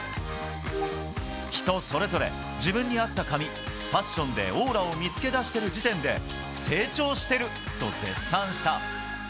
人それぞれ自分に合った髪ファッションでオーラを見つけ出してる時点で成長してる！と絶賛した。